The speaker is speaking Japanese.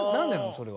それは。